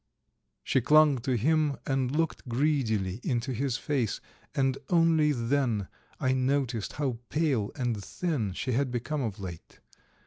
She clung to him and looked greedily into his face, and only then I noticed how pale and thin she had become of late.